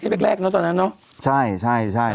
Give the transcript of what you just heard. เท่าแรกตอนนั้นเนอะใช่